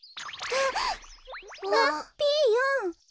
あっピーヨン！